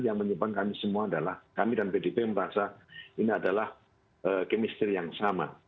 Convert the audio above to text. yang menyebabkan kami semua adalah kami dan pdp merasa ini adalah kemistri yang sama